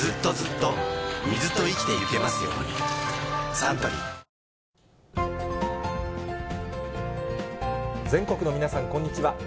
サントリー全国の皆さん、こんにちは。